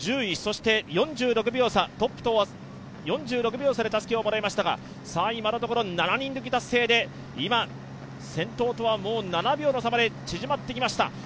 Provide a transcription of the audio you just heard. １０位、トップとは４６秒差でたすきをもらいましたが今のところ７人抜き達成で、今、先頭とは７秒の差まで縮まってきました。